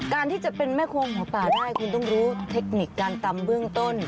การที่จะเป็นแม่โคมของป่าได้คุณต้องรู้เทคนิคการตำเบื้องต้น